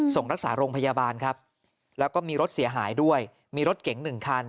ส่งรักษาโรงพยาบาลครับแล้วก็มีรถเสียหายด้วยมีรถเก๋งหนึ่งคัน